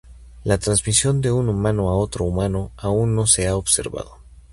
La transmisión de un humano a otro humano aún no se ha observado.